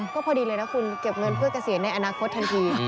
ก็พอดีเลยนะคุณเก็บเงินเพื่อเกษียณในอนาคตทันที